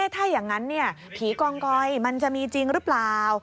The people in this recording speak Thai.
ถ้าอย่างนั้นผีกองกอยมันจะมีจริงหรือเปล่า